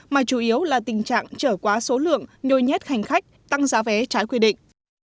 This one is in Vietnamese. mà chủ yếu là tình trạng trở quá số lượng nôi nhét hành khách tăng giá vé trái quy định